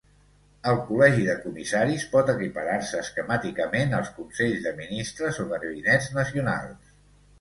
El Col·legi de Comissaris pot equiparar-se esquemàticament els Consells de Ministres o Gabinets nacionals.